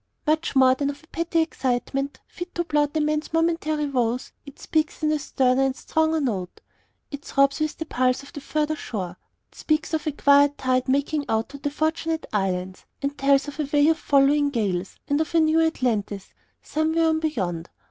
Much more than of a petty excitement, fit to blot a man's momentary woes, it speaks in a sterner and a stronger note. It throbs with the pulse of a further shore. It speaks of a quiet tide making out to the Fortunate Islands, and tells of a way of following gales, and of a new Atlantis, somewhere on beyond.